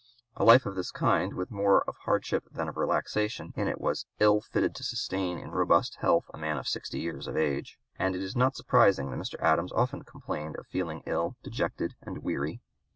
A life of this kind with more of hardship than of relaxation in it was ill fitted to sustain in robust health a man sixty years of age, and it is not surprising that Mr. Adams often complained of feeling ill, dejected, and weary.